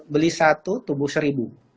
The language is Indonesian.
beli satu tumbuh seribu